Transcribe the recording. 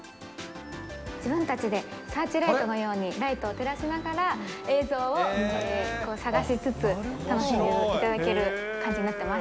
自分たちでサーチライトのようにライトを照らしながら、映像を探しつつ、楽しんでいただける感じになっています。